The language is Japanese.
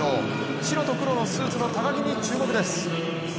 白と黒のスーツの高木に注目です。